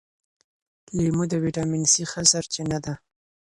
لیمو د ویټامین سي ښه سرچینه ده.